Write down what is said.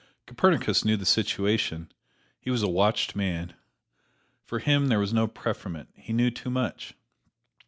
Copernicus knew the situation he was a watched man. For him there was no preferment: he knew too much!